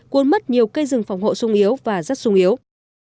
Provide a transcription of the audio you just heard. cuốn mất nhiều cây rừng phòng hộ sung hiếu và rất sung hiếu